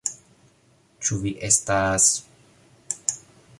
Ĉu vi estas...